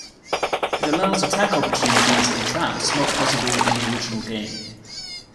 It allows attack opportunities and traps not possible in the original game.